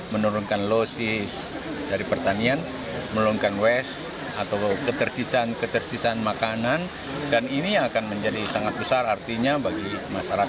menurunkan losis dari pertanian menurunkan west atau ketersisaan ketersisaan makanan dan ini akan menjadi sangat besar artinya bagi masyarakat